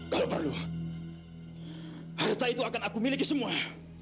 kalau perlu harta itu akan aku miliki semua